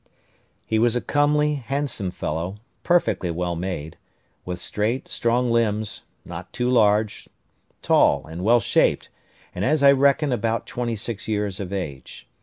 He was a comely, handsome fellow, perfectly well made, with straight, strong limbs, not too large; tall, and well shaped; and, as I reckon, about twenty six years of age.